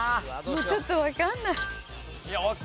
ちょっとわかんない。